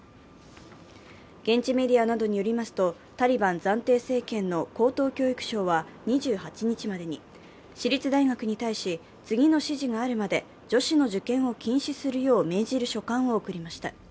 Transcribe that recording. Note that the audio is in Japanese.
現地メディアによりますと、タリバン暫定政権の高等教育省は２８日までに私立大学に対し、次の指示があるまで女子の受験を禁止するよう命じる書簡を送りました。